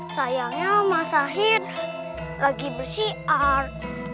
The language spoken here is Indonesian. sayangnya mas ahir lagi bersiar